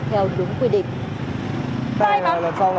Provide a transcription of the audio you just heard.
theo đúng quy định